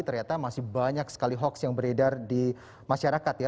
ternyata masih banyak sekali hoax yang beredar di masyarakat ya